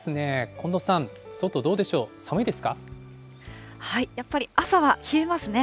近藤さん、外どうでしょう、寒いやっぱり朝は冷えますね。